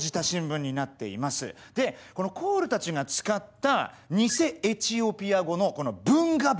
でこのコールたちが使った偽エチオピア語の「ブンガブンガ」。